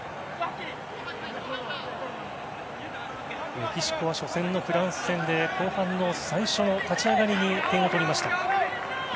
メキシコは初戦のフランス戦で後半の最初、立ち上がりに点を取りました。